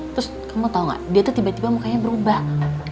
terus kamu tau gak dia tuh tiba tiba mukanya berubah